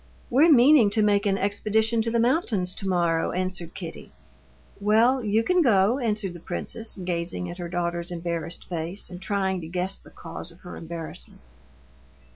"We're meaning to make an expedition to the mountains tomorrow," answered Kitty. "Well, you can go," answered the princess, gazing at her daughter's embarrassed face and trying to guess the cause of her embarrassment.